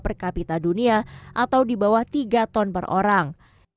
sehingga kebetulan emisi karbon dioksida di bawah tiga ton per orang